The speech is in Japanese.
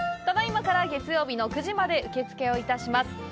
ただいまから月曜日の９時まで受け付けをいたします。